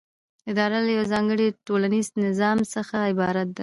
اداره له یوه ځانګړي ټولنیز نظام څخه عبارت ده.